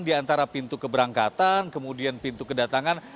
di antara pintu keberangkatan kemudian pintu kedatangan